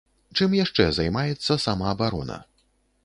Чым яшчэ займаецца самаабарона?